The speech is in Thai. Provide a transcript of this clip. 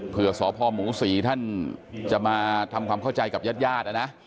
สพหมูศรีท่านจะมาทำความเข้าใจกับญาติญาตินะนะ